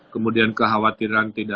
kemudian kekhawatiran tidak